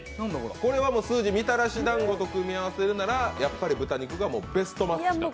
これはみたらしだんごと組み合わせるならやっぱり豚肉がベストマッチだと？